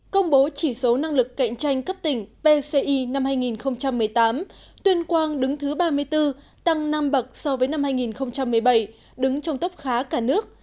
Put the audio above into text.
công bố chỉ số năng lực cạnh tranh cấp tỉnh pci năm hai nghìn một mươi tám tuyên quang đứng thứ ba mươi bốn tăng năm bậc so với năm hai nghìn một mươi bảy đứng trong tốc khá cả nước